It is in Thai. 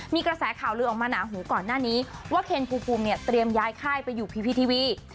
มีกระแสข่าวลือออกมาหนาหูก่อนหน้านี้ว่าเคนภูมิเนี่ยเตรียมย้ายค่ายไปอยู่พีพีทีวี